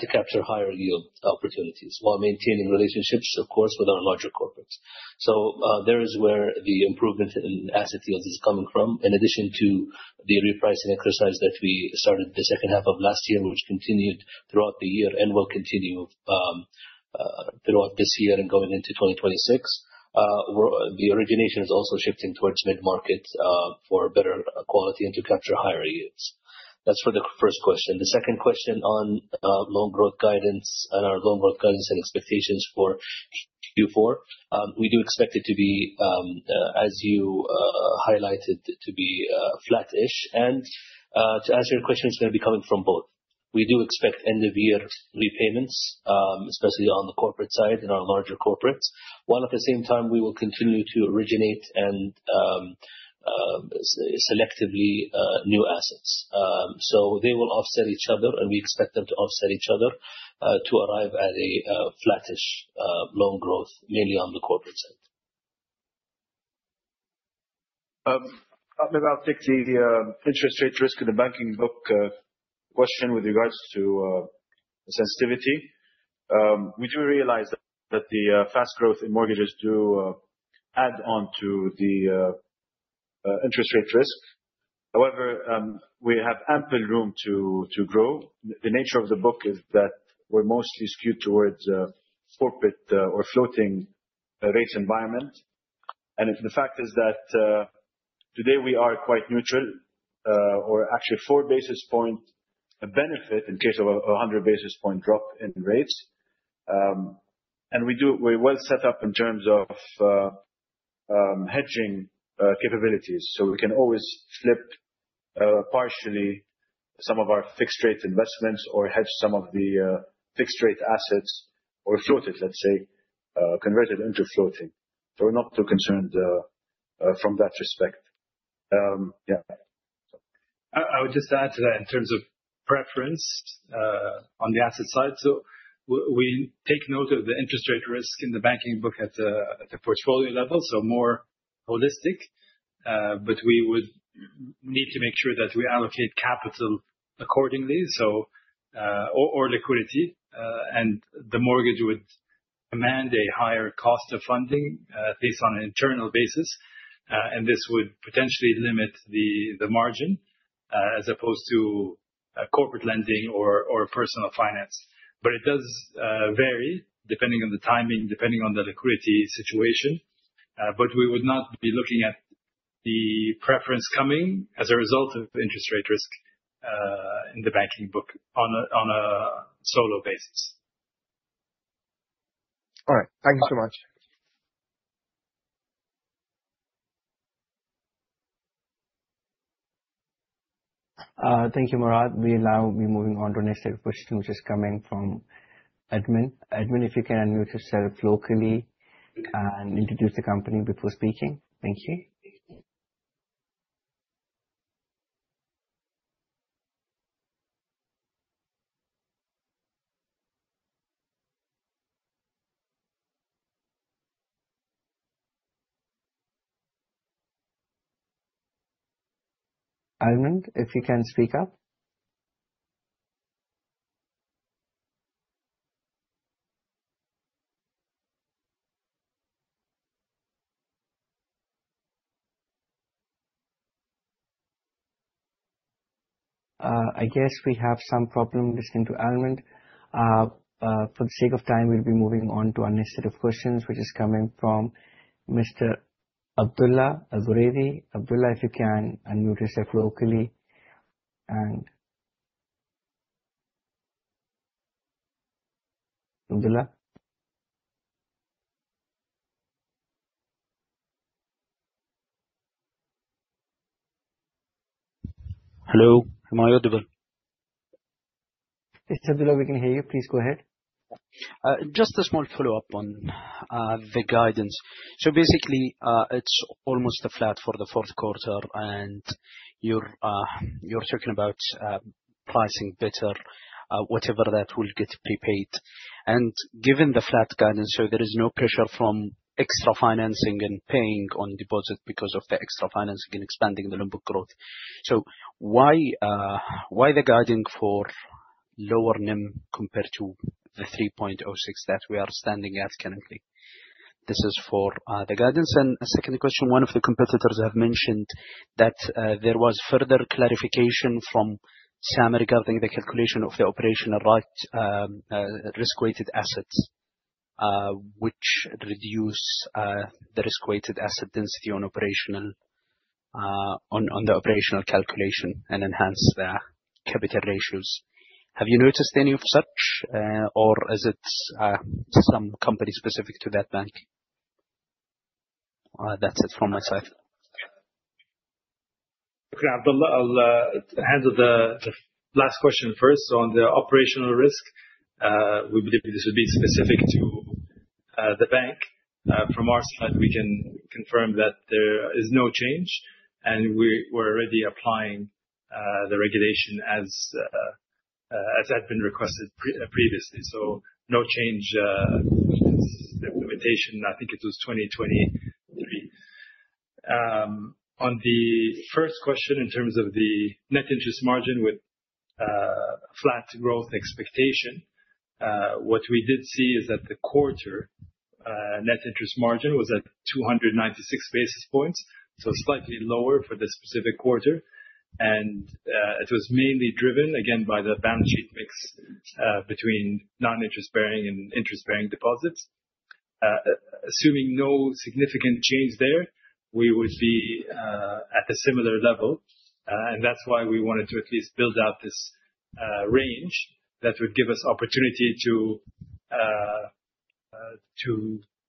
to capture higher yield opportunities while maintaining relationships, of course, with our larger corporates. There is where the improvement in asset yields is coming from. In addition to the repricing exercise that we started the second half of last year, which continued throughout the year and will continue throughout this year and going into 2026. The origination is also shifting towards mid-market, for better quality and to capture higher yields. That's for the first question. The second question on loan growth guidance and our loan growth guidance and expectations for Q4. We do expect it to be, as you highlighted, to be flattish. To answer your question, it's going to be coming from both. We do expect end of year repayments, especially on the corporate side, in our larger corporates, while at the same time we will continue to originate and selectively new assets. They will offset each other, and we expect them to offset each other, to arrive at a flattish loan growth mainly on the corporate side. I'll take the Interest Rate Risk in the Banking Book question with regards to sensitivity. We do realize that the fast growth in mortgages do add on to the interest rate risk. However, we have ample room to grow. The nature of the book is that we're mostly skewed towards corporate or floating rates environment. The fact is that today we are quite neutral or actually four basis point benefit in case of 100 basis point drop in rates. We're well set up in terms of hedging capabilities. We can always flip partially some of our fixed rate investments or hedge some of the fixed rate assets or float it, let's say, convert it into floating. We're not too concerned from that respect. Yeah. I would just add to that in terms of preference on the asset side. We take note of the Interest Rate Risk in the Banking Book at the portfolio level, so more holistic. We would need to make sure that we allocate capital accordingly or liquidity, the mortgage would demand a higher cost of funding, based on an internal basis. This would potentially limit the margin, as opposed to corporate lending or personal finance. It does vary depending on the timing, depending on the liquidity situation. We would not be looking at the preference coming as a result of Interest Rate Risk in the Banking Book on a solo basis. All right. Thank you so much. Thank you, Murad. We will now be moving on to our next set of question, which is coming from Edmund. Edmund, if you can unmute yourself locally and introduce the company before speaking. Thank you. Edmund, if you can speak up. I guess we have some problem listening to Edmund. For the sake of time, we will be moving on to our next set of questions, which is coming from Mr. Abdullah Alburaiwi. Abdullah, if you can unmute yourself locally. Abdullah? Hello, am I audible? Yes, Abdullah, we can hear you. Please go ahead. Just a small follow-up on the guidance. Basically, it's almost a flat for the fourth quarter, and you're talking about pricing better, whatever that will get prepaid. Given the flat guidance, there is no pressure from extra financing and paying on deposit because of the extra financing and expanding the loan book growth. Why the guiding for lower NIM compared to the 3.06% that we are standing at currently? This is for the guidance. A second question, one of the competitors have mentioned that there was further clarification from SAMA regarding the calculation of the operational risk-weighted assets, which reduce the risk-weighted asset density on the operational calculation and enhance their capital ratios. Have you noticed any of such or is it some company specific to that bank? That's it from my side. Okay, Abdullah, I'll handle the last question first. On the operational risk, we believe this would be specific to the bank. From our side, we can confirm that there is no change, and we're already applying the regulation as had been requested previously. No change since the implementation, I think it was 2023. On the first question, in terms of the net interest margin with flat growth expectation, what we did see is that the quarter net interest margin was at 296 basis points, slightly lower for this specific quarter. It was mainly driven, again, by the balance sheet mix between non-interest-bearing and interest-bearing deposits. Assuming no significant change there, we would be at a similar level. That's why we wanted to at least build out this range that would give us opportunity to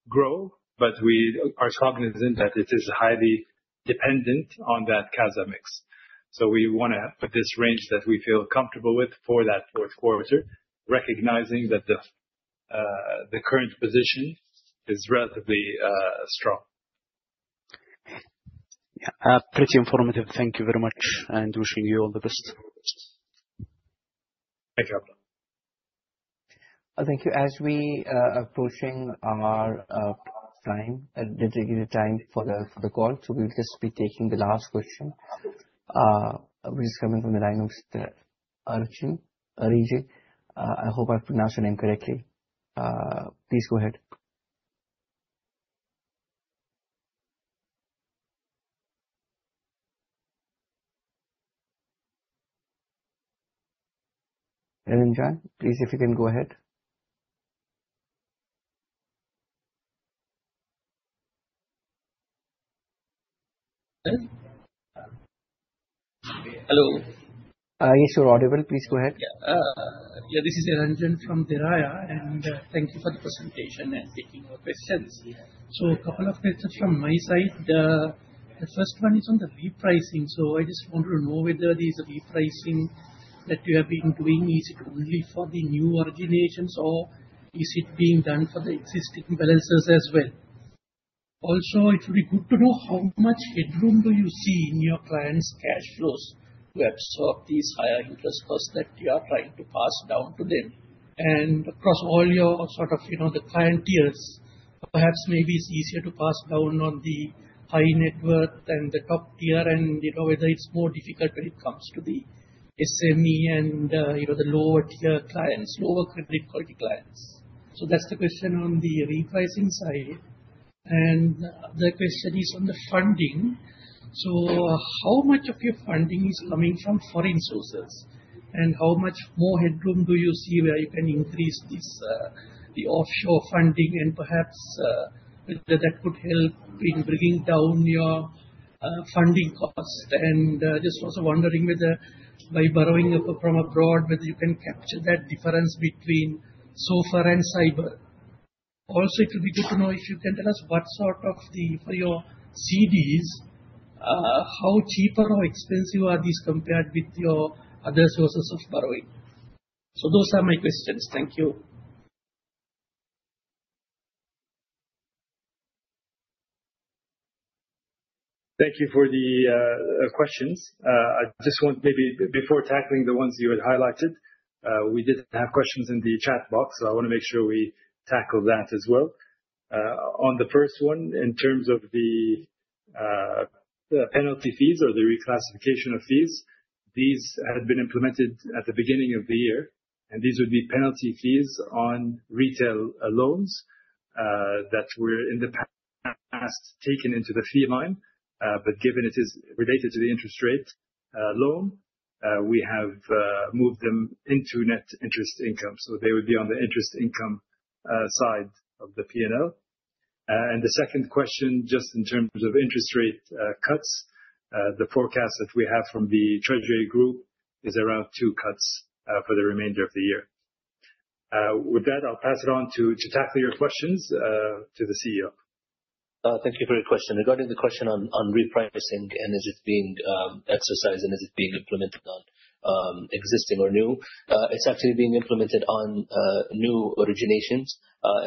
grow. We are cognizant that it is highly dependent on that CASA mix. We want to put this range that we feel comfortable with for that fourth quarter, recognizing that the current position is relatively strong. Yeah. Pretty informative. Thank you very much, and wishing you all the best. Thank you, Abdullah. Thank you. As we approaching our time, the regular time for the call. We'll just be taking the last question, which is coming from the line of Archan Arij. I hope I pronounced your name correctly. Please go ahead. Archan, please if you can go ahead. Hello? Hello. Yes, you're audible. Please go ahead. Yeah. This is Archan from Tiera Capital. Thank you for the presentation and taking our questions. A couple of questions from my side. The first one is on the repricing. I just want to know whether this repricing that you have been doing, is it only for the new originations or is it being done for the existing balances as well? Also, it will be good to know how much headroom do you see in your clients' cash flows to absorb these higher interest costs that you are trying to pass down to them. Across all your sort of the client tiers, perhaps, maybe it's easier to pass down on the high net worth and the top tier and whether it's more difficult when it comes to the SME and the lower tier clients, lower credit quality clients. That's the question on the repricing side. The other question is on the funding. How much of your funding is coming from foreign sources? How much more headroom do you see where you can increase the offshore funding and perhaps whether that could help in bringing down your funding cost? Just also wondering whether by borrowing from abroad, whether you can capture that difference between SOFR and SIBOR. Also, it will be good to know if you can tell us what sort of the, for your CDs, how cheaper or expensive are these compared with your other sources of borrowing. Those are my questions. Thank you. Thank you for the questions. I just want maybe before tackling the ones you had highlighted, we did have questions in the chat box, so I want to make sure we tackle that as well. On the first one, in terms of the penalty fees or the reclassification of fees, these had been implemented at the beginning of the year. These would be penalty fees on retail loans that were in the past taken into the fee line. Given it is related to the interest rate loan, we have moved them into net interest income, so they would be on the interest income side of the P&L. The second question, just in terms of interest rate cuts, the forecast that we have from the treasury group is around two cuts for the remainder of the year. With that, I'll pass it on to tackle your questions to the CEO. Thank you for your question. Regarding the question on repricing and is it being exercised and is it being implemented on existing or new, it's actually being implemented on new originations.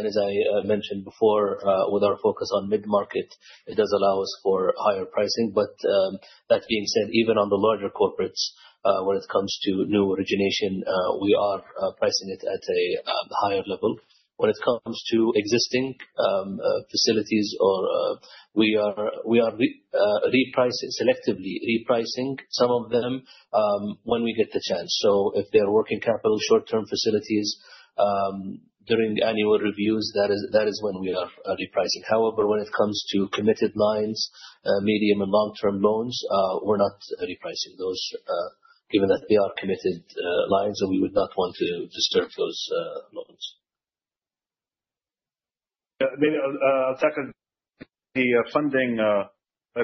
As I mentioned before, with our focus on mid-market, it does allow us for higher pricing. That being said, even on the larger corporates, when it comes to new origination, we are pricing it at a higher level. When it comes to existing facilities, we are selectively repricing some of them when we get the chance. If they're working capital short-term facilities, during annual reviews, that is when we are repricing. However, when it comes to committed lines, medium and long-term loans, we're not repricing those. Given that they are committed lines, and we would not want to disturb those loans. Maybe I'll tackle the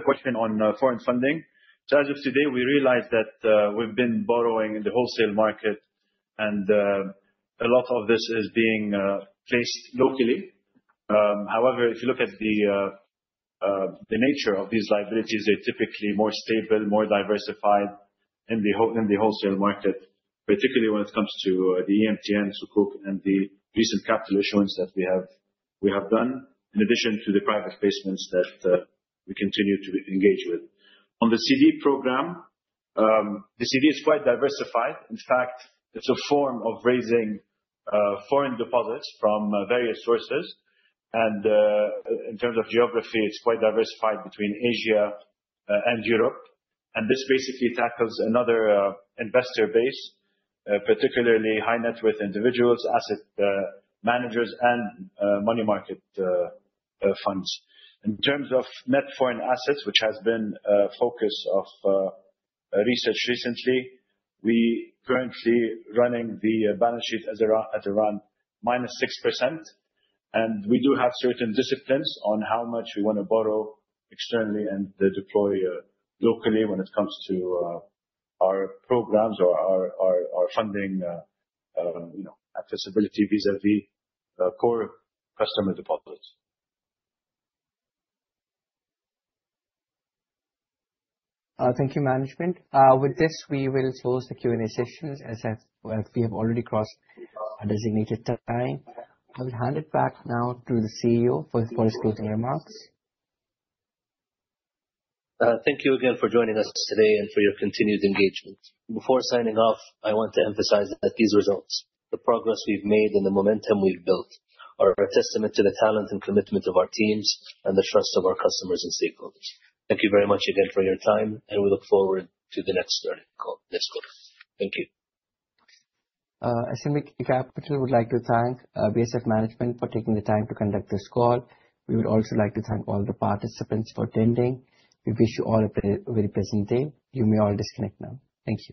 question on foreign funding. As of today, we realize that we've been borrowing in the wholesale market and a lot of this is being placed locally. However, if you look at the nature of these liabilities, they're typically more stable, more diversified in the wholesale market, particularly when it comes to the EMTN Sukuk and the recent capital issuance that we have done, in addition to the private placements that we continue to engage with. On the CD program, the CD is quite diversified. In fact, it's a form of raising foreign deposits from various sources. In terms of geography, it's quite diversified between Asia and Europe. This basically tackles another investor base, particularly high-net-worth individuals, asset managers, and money market funds. In terms of net foreign assets, which has been a focus of research recently, we currently running the balance sheet at around minus 6%. We do have certain disciplines on how much we want to borrow externally and deploy locally when it comes to our programs or our funding accessibility vis-à-vis core customer deposits. Thank you, management. With this, we will close the Q&A session as we have already crossed our designated time. I will hand it back now to the CEO for his closing remarks. Thank you again for joining us today and for your continued engagement. Before signing off, I want to emphasize that these results, the progress we've made and the momentum we've built are a testament to the talent and commitment of our teams and the trust of our customers and stakeholders. Thank you very much again for your time, and we look forward to the next earnings call. Thank you. Esimi Capital would like to thank BSF management for taking the time to conduct this call. We would also like to thank all the participants for attending. We wish you all a very pleasant day. You may all disconnect now. Thank you.